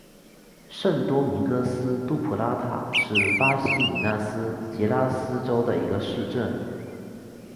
圣多明戈斯杜普拉塔是巴西米纳斯吉拉斯州的一个市镇。